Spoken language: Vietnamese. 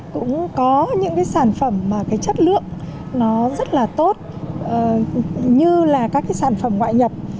cũng có những sản phẩm mà chất lượng nó rất là tốt như là các sản phẩm ngoại nhập